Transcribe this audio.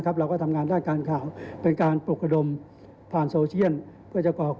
ขนาดที่พันธุ์ตำรวจเอก